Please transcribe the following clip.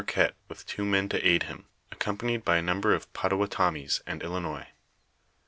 Ixvii qiiette with two men to aid liim, accompanied by a number of Pi)ttawotamie8 and Illinois.